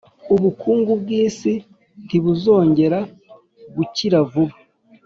ubukungu bwisi ntibuzongera gukira vuba.